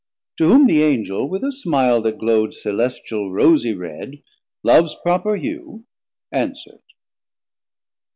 To whom the Angel with a smile that glow'd Celestial rosie red, Loves proper hue, Answer'd.